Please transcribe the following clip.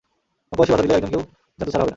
মক্কাবাসী বাধা দিলে একজনকেও জ্যান্ত ছাড়া হবে না।